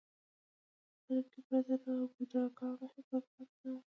خو په کلي کې پرته له بوډا ګانو هېڅوک پاتې نه و.